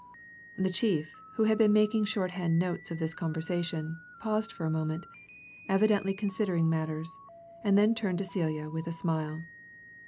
The chief, who had been making shorthand notes of this conversation, paused for a moment, evidently considering matters, and then turned to Celia with a smile.